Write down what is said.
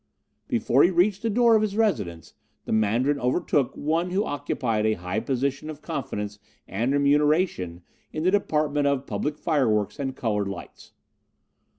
"Before he reached the door of his residence the Mandarin overtook one who occupied a high position of confidence and remuneration in the Department of Public Fireworks and Coloured Lights.